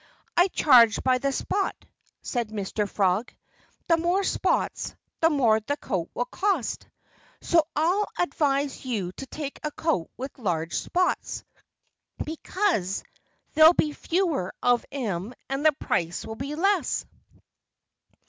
"I charge by the spot," said Mr. Frog. "The more spots, the more the coat will cost. So I'd advise you to take a coat with large spots, because there'll be fewer of 'em and the price will be less."